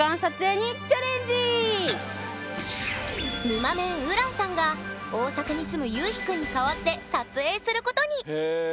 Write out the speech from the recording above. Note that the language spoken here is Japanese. ぬまメンＵｒａＮさんが大阪に住むゆうひくんに代わって撮影することに！